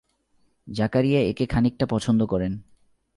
জাকারিয়া একে খানিকটা পছন্দ করেন।